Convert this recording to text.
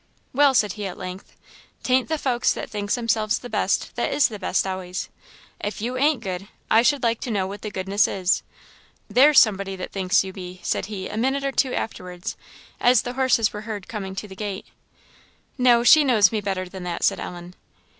"Well!" said he at length " 'taint the folks that thinks themselves the best that is the best always if you ain't good, I should like to know what goodness is. There's somebody that thinks you be," said he, a minute or two afterwards, as the horses were heard coming to the gate, "No, she knows me better than that," said Ellen.